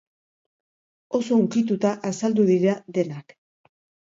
Oso hunkituta azaldu dira denak.